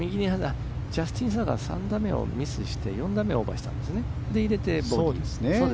ジャスティン・サーが３打目をミスして４打目をオーバーして入れてボギーですね。